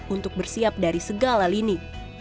untuk bersiap dari segala lini